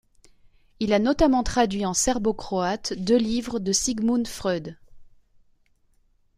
Il a notamment traduit en serbo-croate deux livres de Sigmund Freud.